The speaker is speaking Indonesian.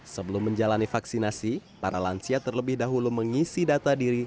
sebelum menjalani vaksinasi para lansia terlebih dahulu mengisi data diri